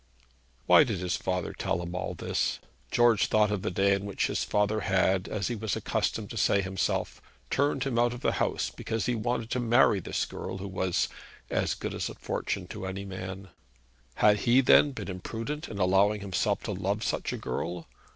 Why did his father tell him all this? George thought of the day on which his father had, as he was accustomed to say to himself, turned him out of the house because he wanted to marry this girl who was 'as good as a fortune' to any man. Had he, then, been imprudent in allowing himself to love such a girl?